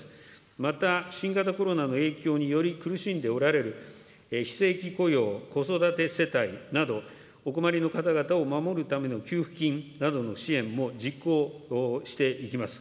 また、新型コロナの影響により苦しんでおられる非正規雇用、子育て世帯など、お困りの方々を守るための給付金などの支援も実行していきます。